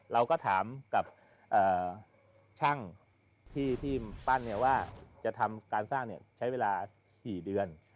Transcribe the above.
เราก็ถามกับช่างที่ปั้นว่าจะทำการสร้างใช้เวลา๔เดือน